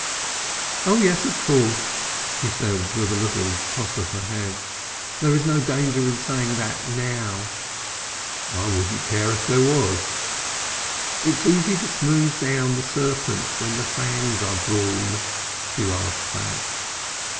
"Oh yes, of course!" she said with a little toss of her head. "There is no danger in saying that now." "I wouldn't care if there was." "It is easy to smooth down the serpent when the fangs are drawn," she laughed back.